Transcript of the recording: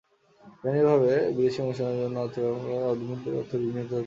বেআইনিভাবে বিদেশি অনুদানের অর্থ ব্যবহার করায় অভ্যন্তরীণ নিরাপত্তা বিঘ্নিত হতে পারে।